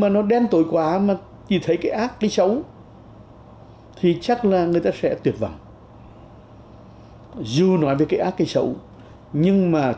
mà nó với một cái ông già chẳng hạn ấy